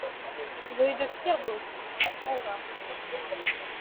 Rue de Kerbos à Gourin